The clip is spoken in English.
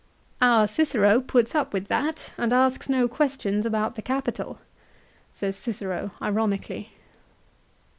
Our Cicero puts up with that, and asks no questions about the capital," says Cicero, ironically.